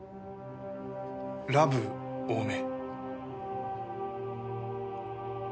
ラブ多め？